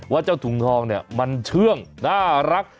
เจ้าถุงทองเนี่ยมันเชื่องน่ารัก